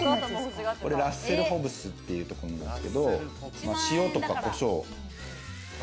ラッセルホブスっていうところなんですけれど、塩とかコショウ。